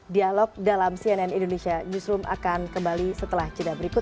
dialog dalam cnn indonesia newsroom akan kembali setelah jeda berikut